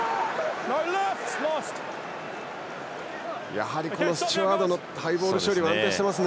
やはりスチュワードのハイボール処理は安定しています。